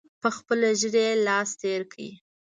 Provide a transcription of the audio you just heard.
په خپله ږیره یې لاس تېر کړ.